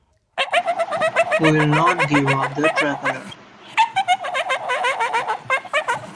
We will not give up the tricolour.